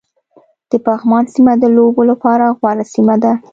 د پغمان سيمه د لوبو لپاره غوره سيمه ده